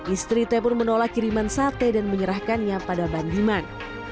istri t pun menolak kiriman sate dan menyerahkannya pada bandiman